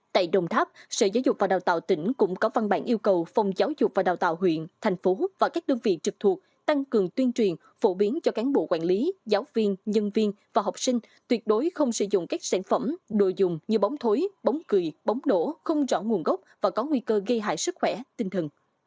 tại đồng tháp sở giáo dục và đào tạo tỉnh cũng có văn bản yêu cầu phòng giáo dục và đào tạo huyện thành phố và các đơn vị trực thuộc tăng cường tuyên truyền phổ biến cho cán bộ quản lý giáo viên nhân viên và học sinh tuyệt đối không sử dụng các sản phẩm đồ dùng như bóng thối bóng cười bóng đổ không rõ nguồn gốc và có nguy cơ gây hại sức khỏe tinh thần